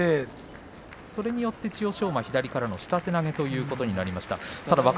それによって左からの下手投げということになりました。